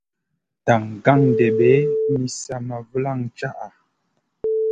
Daŋ gan-ɗèɓè mi sa ma vulaŋ caʼa.